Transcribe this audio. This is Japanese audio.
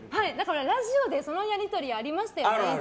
ラジオでそのやり取りがありましたよね。